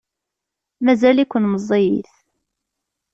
Mazal-iken meẓẓiyit.